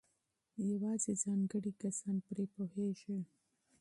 یوازې ځانګړي کسان پرې پوهېږي.